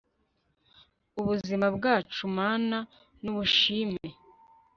ubuzima bwacu mana n'ubushime